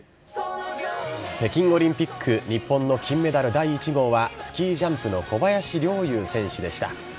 北京オリンピック、日本の金メダル第１号は、スキージャンプの小林陵侑選手でした。